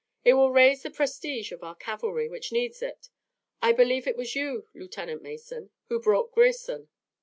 It will raise the prestige of our cavalry, which needs it. I believe it was you, Lieutenant Mason, who brought Grierson."